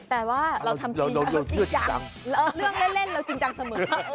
แต่ว่าเราทำจริงจังเรื่องเล่นเราจริงจังเสมอ